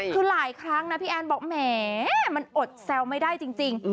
คือหลายครั้งนะพี่แอนบอกแหมมันอดแซวไม่ได้จริง